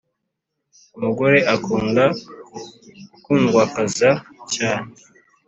umugore akunda gukundwakaza cyane